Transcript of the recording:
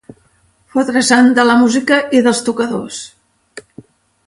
Fotre-se'n de la música i dels tocadors.